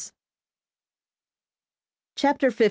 CHAPTER XV.